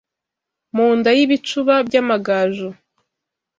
Mu nda y’ibicuba by’Amagaju